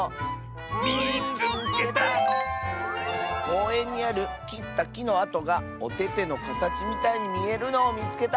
「こうえんにあるきったきのあとがおててのかたちみたいにみえるのをみつけた！」。